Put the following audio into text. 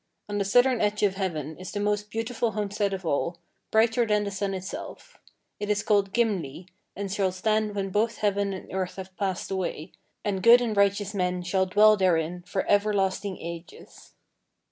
On the southern edge of heaven is the most beautiful homestead of all, brighter than the sun itself. It is called Gimli, and shall stand when both heaven and earth have passed away, and good and righteous men shall dwell therein for everlasting ages."